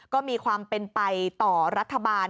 ก็มีความเป็นไปต่อรัฐบาล